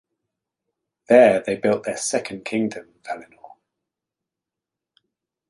There they built their Second Kingdom, Valinor.